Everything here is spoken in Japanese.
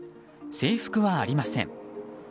制服はありません。